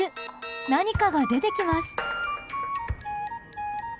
何かが出てきます。